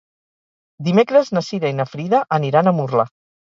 Dimecres na Cira i na Frida aniran a Murla.